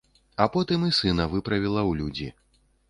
А потым і сына выправіла ў людзі.